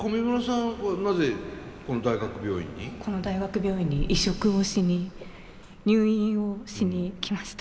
この大学病院に移植をしに入院をしに来ました。